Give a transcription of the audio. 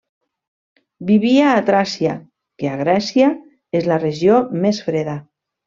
Vivia a Tràcia, que a Grècia és la regió més freda.